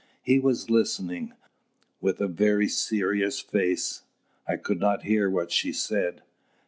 He was listening, with a very serious face. I could not hear what she said.